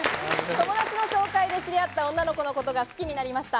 友達の紹介で知り合った女の子のことが好きになりました。